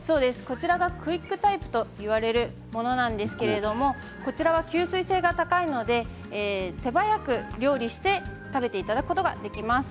クイックタイプと言われるものなんですけどこちらは吸水性が高いので手早く料理して食べていただくことができます。